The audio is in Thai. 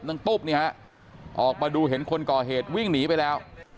ตุ๊บเนี่ยฮะออกมาดูเห็นคนก่อเหตุวิ่งหนีไปแล้ว